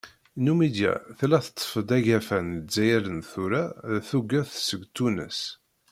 Numidya tella teṭṭef-d agafa n Lezzayer n tura d tuget seg Tunes.